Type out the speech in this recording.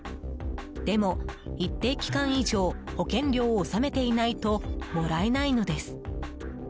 でも、一定期間以上保険料を納めていないともらえないのです。